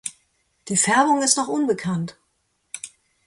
Die Färbung ist noch unbekannt.